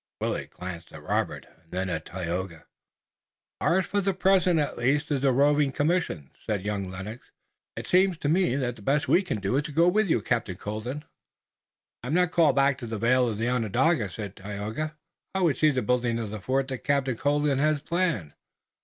Willet glanced at Robert, and then at Tayoga. "Ours for the present, at least, is a roving commission," said young Lennox. "It seems to me that the best we can do is to go with Captain Colden." "I am not called back to the vale of Onondaga," said Tayoga, "I would see the building of this fort that Captain Colden has planned."